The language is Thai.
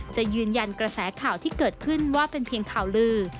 จะยืนยันกระแสข่าวที่เกิดขึ้นว่าเป็นเพียงข่าวลือ